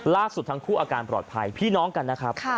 ทั้งคู่อาการปลอดภัยพี่น้องกันนะครับ